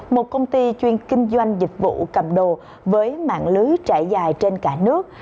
một công ty chuyên kinh doanh dịch vụ cầm đồ với mạng lưới trải dài trên cả nước